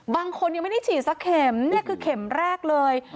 บางคนยังไม่ได้ฉีดสักเข็มนี่คือเข็มแรกเลย